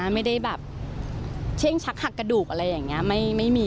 ไม่ได้แบบเช่งชักหักกระดูกอะไรอย่างนี้